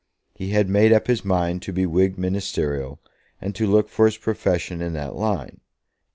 He had made up his mind to be Whig Ministerial, and to look for his profession in that line.